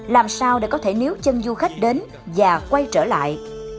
làm sao để có thể níu chân du khách đến và quay trở lại